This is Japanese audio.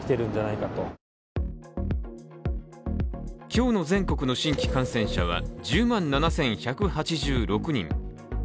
今日の全国の新規感染者は１０万７１８６人。